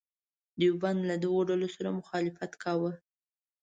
دیوبند له دغو ډلو سره مخالفت وکاوه.